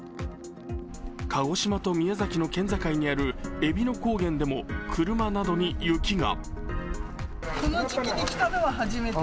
鹿児島と宮崎の県境にあるえびの高原でも車などに雪が。